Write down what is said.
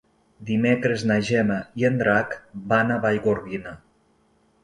Dimecres na Gemma i en Drac van a Vallgorguina.